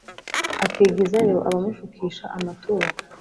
akigizayo abamushukisha amaturo,